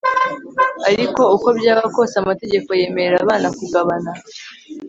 ariko uko byaba kose amategeko yemerera abana kugabana